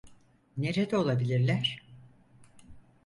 Nerede olabilirler?